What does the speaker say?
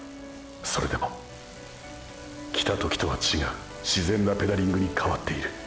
それでも――来た時とはちがう自然なペダリングに変わっている。